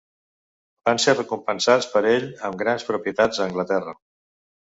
Van ser recompensats per ell amb grans propietats a Anglaterra.